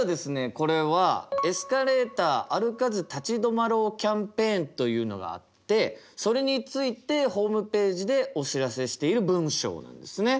これはエスカレーター「歩かず立ち止まろう」キャンペーンというのがあってそれについてホームページでお知らせしている文章なんですね。